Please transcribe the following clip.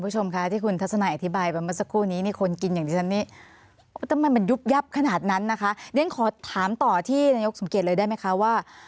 อย่างนั้นนะคะเรียกขอถามต่อที่นายกสมเกตเลยได้ไหมคะว่า